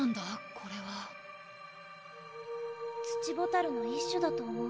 これは土ボタルの一種だと思う